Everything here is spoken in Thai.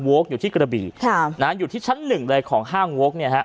อยู่ที่กระบี่อยู่ที่ชั้นหนึ่งเลยของห้างโว๊คเนี่ยฮะ